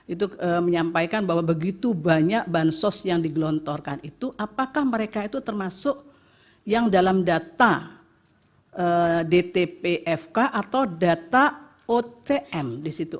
itu menyampaikan bahwa begitu banyak bansos yang digelontorkan itu apakah mereka itu termasuk yang dalam data dtpfk atau data otm di situ